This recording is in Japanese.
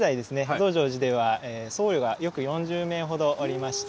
増上寺では僧侶が約４０名ほどおりまして。